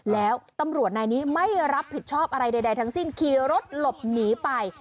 แล้วตำรวจนายนี้ไม่รับผิดชอบอะไรใดทั้งสิ้นขี่รถหลบหนีไป